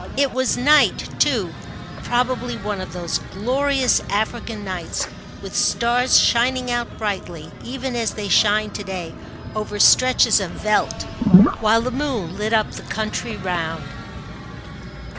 It was night too ; probably one of those glorious African nights, with stars shining out brightly, even as they shine to day over stretches of veldt, while the moon lit up the country round.